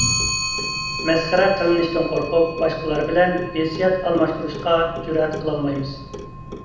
مەسخىرە قىلىنىشتىن قورقۇپ باشقىلار بىلەن ھېسسىيات ئالماشتۇرۇشقا جۈرئەت قىلالمايمىز.